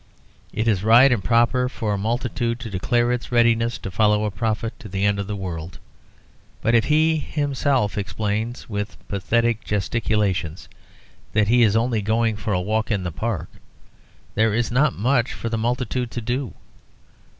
It is right and proper for a multitude to declare its readiness to follow a prophet to the end of the world, but if he himself explains, with pathetic gesticulations, that he is only going for a walk in the park, there is not much for the multitude to do.